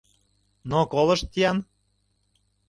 Но колышт-ян!